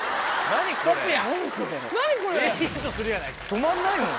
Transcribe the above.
止まんないもん。